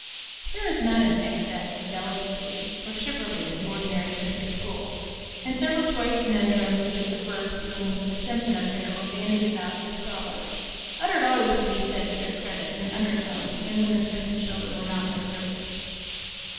There is not an excess of delicacy or chivalry in the ordinary country school, and several choice conundrums and bits of verse dealing with the Simpson affair were bandied about among the scholars, uttered always, be it said to their credit, in undertones, and when the Simpson children were not in the group.